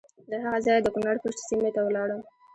له هغه ځایه د کنړ پَشَت سیمې ته ولاړم.